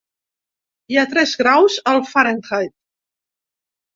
Hi ha tres graus al Fahrenheit.